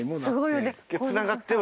すごいよね。